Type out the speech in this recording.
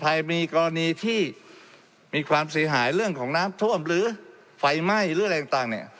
ใครมีกรณีที่มีความเสียหายเรื่องของน้ำท่วมหรือไฟไหม้หรืออะไรต่างเนี่ย